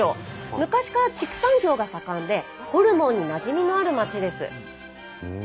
昔から畜産業が盛んでホルモンになじみのある町です。